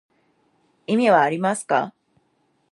意味がありますか